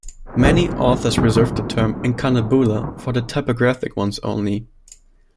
Many authors reserve the term "incunabula" for the typographic ones only.